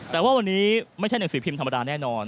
แต่ว่าวันนี้ไม่ใช่หนังสือพิมพ์ธรรมดาแน่นอน